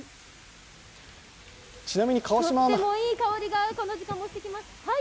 とってもいい香りが、この時間もしてきます。